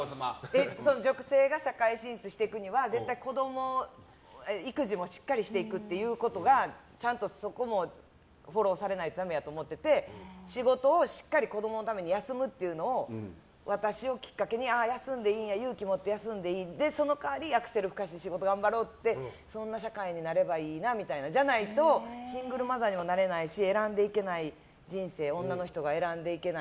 女性が社会進出するためには絶対子供、育児もしっかりしていくということがちゃんとそこもフォローされないとダメやと思ってて仕事をしっかり子供のために休むというのを私をきっかけに休んでいいんや勇気持って休んでいいその代わりアクセルふかして仕事頑張ろうってそんな社会になればいいなとじゃないとシングルマザーにもなれないし選んでいけない人生。